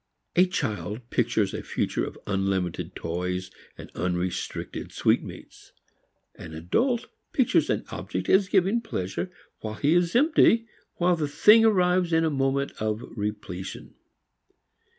A child pictures a future of unlimited toys and unrestricted sweetmeats. An adult pictures an object as giving pleasure while he is empty while the thing arrives in a moment of repletion.